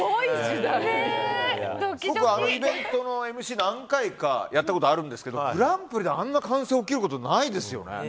僕、イベントのＭＣ何回かやったことあるんですけどグランプリであんな歓声起きることないですよね。